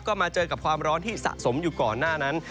ก็มาเจอกับความร้อนที่สะสมอยู่ก่อนหน้านั้น